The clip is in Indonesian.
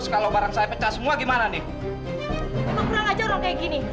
kamu pergi aja dari sini